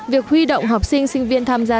việc huy động học sinh sinh viên tham gia